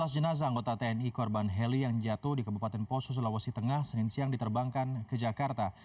dua belas jenazah anggota tni korban heli yang jatuh di kabupaten poso sulawesi tengah senin siang diterbangkan ke jakarta